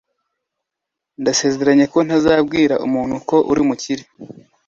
Ndasezeranye ko ntazabwira umuntu ko uri umukire